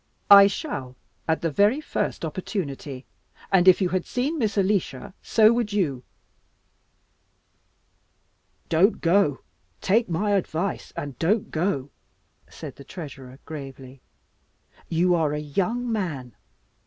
"I shall, at the very first opportunity; and if you had seen Miss Alicia, so would you." "Don't go. Take my advice and don't go," said the Treasurer, gravely. "You are a young man.